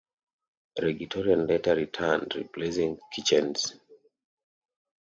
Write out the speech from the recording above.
Reggie Torian later returned, replacing Kitchens.